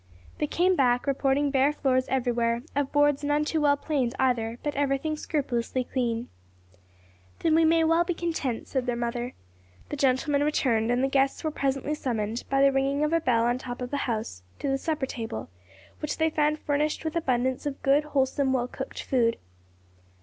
They came back reporting bare floors everywhere, of boards none too well planed either, but everything scrupulously clean. "Then we may well be content," said their mother. The gentlemen returned and the guests were presently summoned, by the ringing of a bell on top of the house, to the supper table, which they found furnished with abundance of good, wholesome well cooked food.